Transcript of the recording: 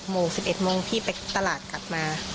โมง๑๑โมงพี่ไปตลาดกลับมา